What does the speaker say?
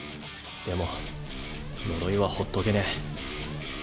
でも呪いはほっとけねぇ。